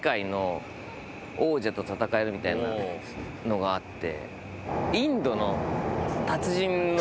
みたいなのがあって。